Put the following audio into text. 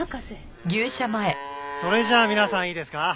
それじゃあ皆さんいいですか？